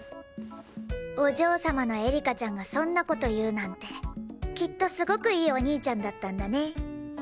お嬢様のエリカちゃんがそんな事言うなんてきっとすごくいいお兄ちゃんだったんだね。